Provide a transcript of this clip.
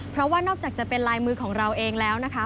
เพราะว่านอกจากจะเป็นลายมือของเราเองแล้วนะคะ